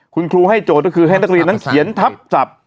คุณครูให้โจทย์คือให้นักศึกษีนั้นเขียนทับทรัพย์